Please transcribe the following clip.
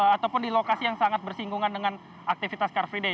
ataupun di lokasi yang sangat bersinggungan dengan aktivitas car free day